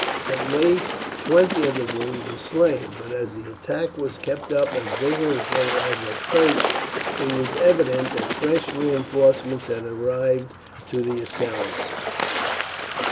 At least twenty of the wolves were slain; but as the attack was kept up as vigorously as at first, it was evident that fresh reinforcements had arrived to the assailants.